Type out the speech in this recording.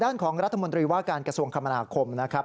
ด้านของรัฐมนตรีว่าการกระทรวงคมนาคมนะครับ